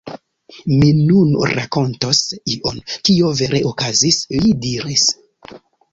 Mi nun rakontos ion, kio vere okazis, li diris.